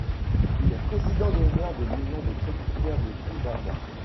Il était président d'honneur de l'Union des producteurs de films allemands.